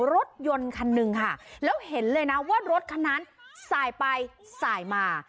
รถยนต์คันหนึ่งค่ะแล้วเห็นเลยนะว่ารถคันนั้นสายไปสายมา